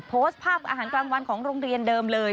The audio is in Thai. โพสต์ภาพอาหารกลางวันของโรงเรียนเดิมเลย